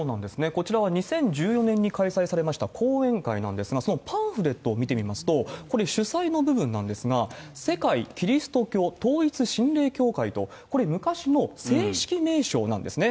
こちらは２０１４年に開演されました講演会なんですが、そのパンフレットを見てみますと、これ、主催の部分なんですが、世界基督教統一神霊協会とこれ、昔の正式名称なんですね。